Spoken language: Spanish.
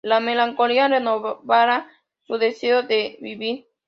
La melancolía renovará su deseo de vivir.